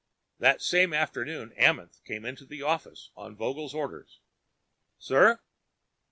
That same afternoon Amenth came into the office on Vogel's order. "Sir?"